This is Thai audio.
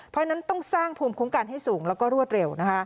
เพราะฉะนั้นต้องสร้างภูมิคุ้มกันให้สูงแล้วก็รวดเร็ว